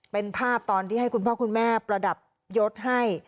เป็นภาพตอนที่ให้คุณพ่อคุณแม่ประดับยศให้